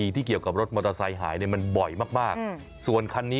ถือว่ายังโชคดี